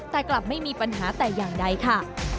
แต่กลับไม่มีปัญหาแต่อย่างใดค่ะ